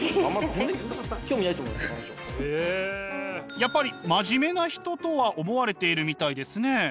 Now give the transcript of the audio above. やっぱり真面目な人とは思われているみたいですね。